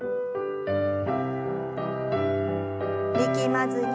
力まずに。